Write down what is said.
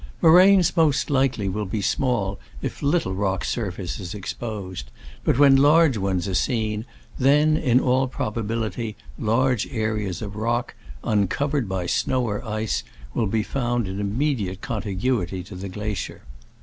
Moraines most hkely will be small if little rock surface is exposed ; but when large ones are seen, then, in all probability, large areas of rock, uncovered by snow or ice. will be found in immediate contiguity to the glacier.